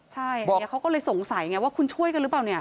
ใช่เขาก็เลยสงสัยว่าคุณช่วยกันหรือเปล่า